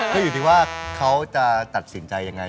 ก็อยู่ที่ว่าเขาจะตัดสินใจยังไง